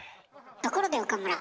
ところで岡村。